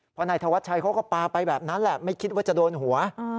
เพราะนายธวัชชัยเขาก็ปลาไปแบบนั้นแหละไม่คิดว่าจะโดนหัว